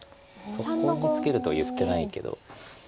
そこにツケるとは言ってないけど。